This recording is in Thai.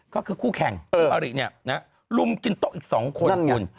ก็คือคู่แข่งหลุมกินต๊อกอีก๒คน